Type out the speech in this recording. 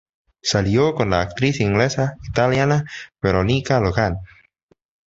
Salió con la actriz inglesa-italiana Veronica Logan.